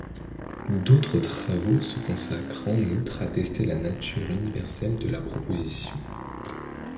D'autres travaux se consacrent en outre à tester la nature universelle de la proposition.